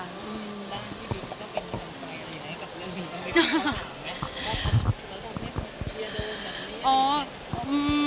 แล้วที่ดูก็เป็นอย่างไกลอะไรไหมกับเรื่องมีกำลังใจ